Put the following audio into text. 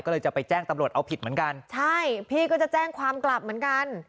ก็เลยจะไปแจ้งตำรวจเอาผิดเหมือนกันใช่พี่ก็จะแจ้งความกลับเหมือนกัน